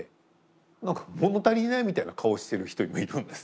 何か物足りないみたいな顔してる人もいるんですよ。